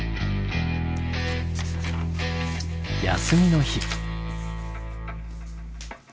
休みの日。